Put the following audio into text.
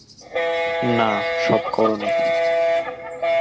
না, সব করোনি।